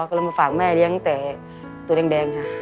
ก็เลยมาฝากแม่เลี้ยงแต่ตัวแดงค่ะ